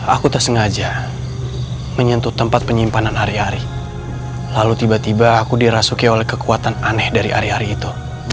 aku tersengaja menyentuh tempat penyimpanan ari hari lalu tiba tiba aku dirasuki oleh kekuatan aneh dari ari ari itu